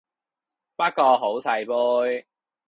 不過好細杯